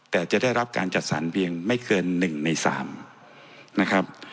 แต่จะได้รับการจัดสรรเพียงไม่เกิน๑ใน๓นะครับ